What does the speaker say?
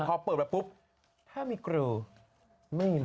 พอเปิดมาปุ๊บถ้ามีกรูไม่มีเลย